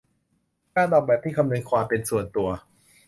การออกแบบที่คำนึงความเป็นส่วนตัว